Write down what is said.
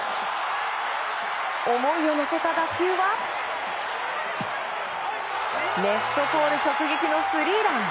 思いを乗せた打球はレフトポール直撃のスリーラン！